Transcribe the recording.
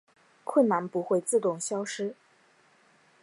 困难不会自动消失